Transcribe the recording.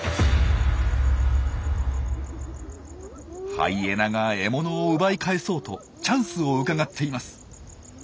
ハイエナが獲物を奪い返そうとチャンスをうかがっています。